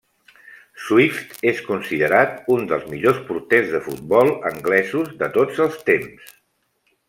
Swift és considerat un dels millors porters de futbol anglesos de tots els temps.